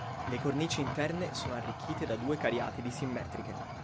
Le cornici interne sono arricchite da due cariatidi simmetriche.